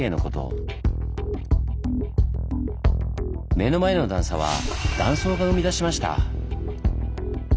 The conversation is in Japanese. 目の前の段差は断層が生み出しました。